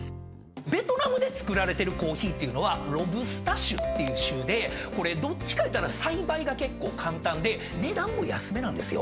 ベトナムで作られてるコーヒーというのはロブスタ種っていう種でどっちかいうたら栽培が結構簡単で値段も安めなんですよ。